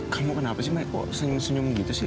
kamu kenapa sih kok senyum senyum gitu sih